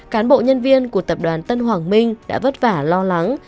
cán bộ nhân viên của tập đoàn tân hoàng minh đã vất vả lo lắng